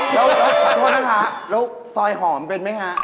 โทษนะค่ะแล้วซอยหอมเป็นไหมคะ